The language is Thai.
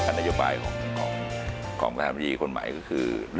การนโยบายของประธานบิดีคนใหม่ก็คือ